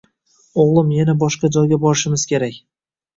Oʻgʻlim yana boshqa joyga borishimiz kerak.